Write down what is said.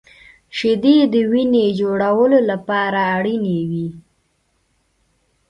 • شیدې د وینې جوړولو لپاره اړینې وي.